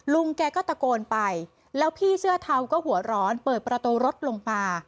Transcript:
ลุงแกก็ตะโกนไปแล้วพี่เสื้อเทาก็หัวร้อนเปิดประตูรถลงมา